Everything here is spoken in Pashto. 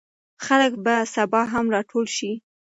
خلک به سبا هم راټول شي.